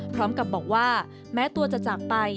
พร้อมกับบอกว่าแม้ตัวจะจากไป